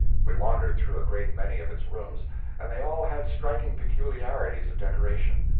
We wandered through a great many of its rooms, and they all had striking peculiarities of decoration.